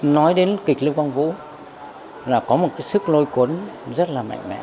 nói đến kịch lưu quang vũ là có một cái sức lôi cuốn rất là mạnh mẽ